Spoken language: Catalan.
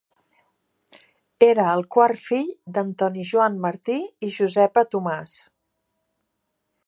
Era el quart fill d'Antoni Joan Martí i Josepa Tomàs.